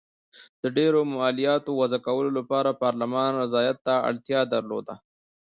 د ډېرو مالیاتو وضعه کولو لپاره پارلمان رضایت ته اړتیا درلوده.